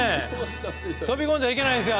飛び込んじゃいけないですよ